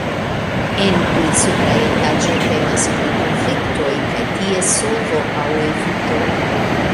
En pli supra etaĝo temas pri konfliktoj kaj ties solvo aŭ evito.